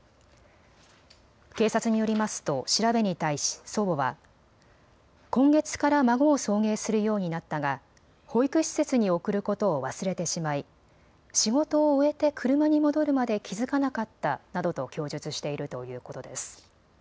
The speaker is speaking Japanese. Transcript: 警察によりますと調べに対し祖母は今月から孫を送迎するようになったが、保育施設に送ることを忘れてしまい仕事を終えて車に戻るまで気付かなかったなどと供述しているということです。